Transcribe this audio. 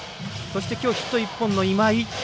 そしてきょう、ヒット１本の今井。